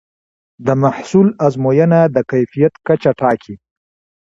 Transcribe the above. د محصول ازموینه د کیفیت کچه ټاکي.